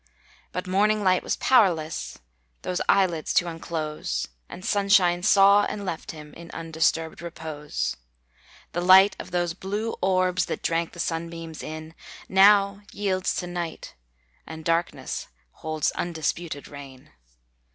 But morning light was powerless, Those eyelids to unclose; And sunshine saw and left him, In undisturbed repose. The light of those blue orbs That drank the sunbeams in, Now yields to night, and darkness Holds undisputed reign.